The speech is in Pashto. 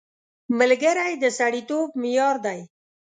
ملګری د سړیتوب معیار دی